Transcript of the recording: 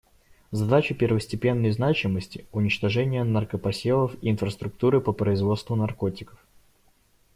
Задача первостепенной значимости — уничтожение наркопосевов и инфраструктуры по производству наркотиков.